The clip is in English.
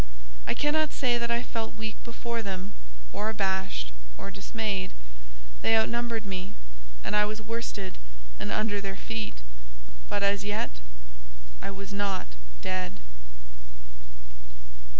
I cannot say that I felt weak before them, or abashed, or dismayed. They outnumbered me, and I was worsted and under their feet; but, as yet, I was not dead.